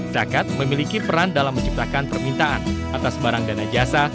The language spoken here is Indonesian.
zakat memiliki peran dalam menciptakan permintaan atas barang dana jasa